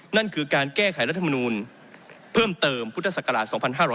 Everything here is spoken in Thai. นั่นคือการแก้ไขรัฐมนูลเพิ่มเติมพุทธศักราช๒๕๖๐